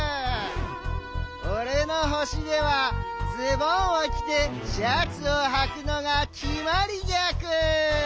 おれのほしではズボンをきてシャツをはくのがきまりギャク！